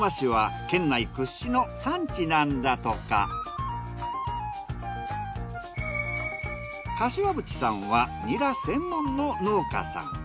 なかでも柏渕さんはニラ専門の農家さん。